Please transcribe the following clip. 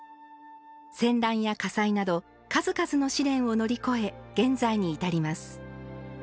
戦乱や火災など数々の試練を乗り越え現在に至ります。